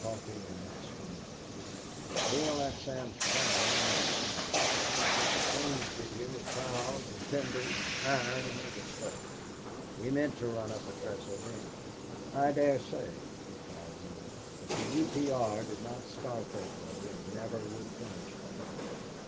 Coffee laughed scornfully. "Neale, that sounds fine, but it's impossible until the trains get here with piles and timbers, iron, and other stuff. We meant to run up a trestle then." "I dare say," replied Neale. "But the U. P. R. did not start that way, and never would finish that way."